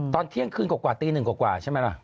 ตอนเที่ยงคืนกว่าตีหนึ่งกว่าใช่ไหมล่ะ